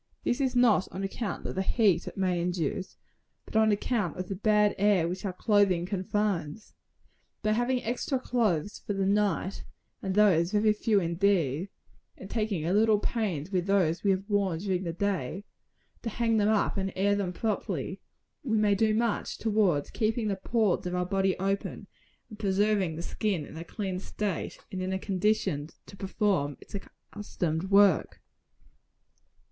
This is not on account of the heat it may induce, but on account of the bad air which our clothing confines. By having extra clothes for the night, and those very few indeed, and taking a little pains with those we have worn during the day to hang them up and air them properly we may do much towards keeping the pores of our bodies open, and preserving the skin in a clean state, and in a condition to perform its accustomed work.